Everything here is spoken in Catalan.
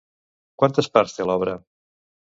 Quantes parts té l'obra?